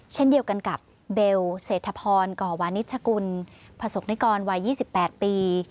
เช่นเดียวกันกับเบลเศรษฐพรก่อวานิชกุลประสบนิกรวัย๒๘ปี